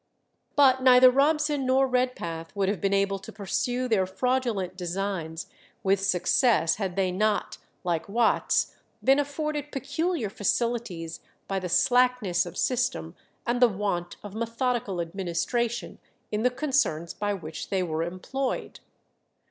But neither Robson nor Redpath would have been able to pursue their fraudulent designs with success had they not, like Watts, been afforded peculiar facilities by the slackness of system and the want of methodical administration in the concerns by which they were employed.